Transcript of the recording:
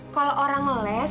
kalau orang ngeles